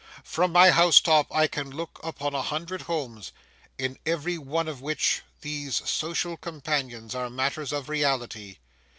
From my house top I can look upon a hundred homes, in every one of which these social companions are matters of reality.